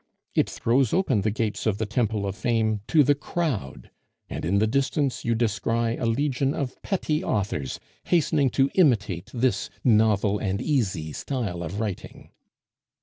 It throws open the gates of the temple of Fame to the crowd; and in the distance you descry a legion of petty authors hastening to imitate this novel and easy style of writing.